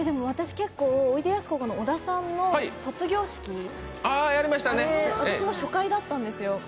私結構、おいでやすこがさんと小田さんの卒業式、私の初回だったんですよ。